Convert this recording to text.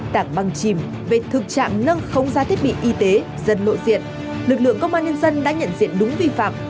đảng băng chìm về thực trạm nâng không giá thiết bị y tế dân nội diện lực lượng công an nhân dân đã nhận diện đúng vi phạm